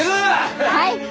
はい！